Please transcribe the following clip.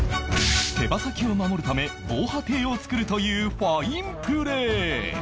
手羽先を守るため防波堤を作るというファインプレー